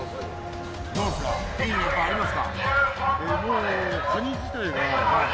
どうですか？